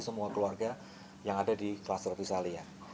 semua keluarga yang ada di kelas terpisah